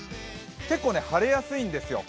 結構晴れやすいんですよ。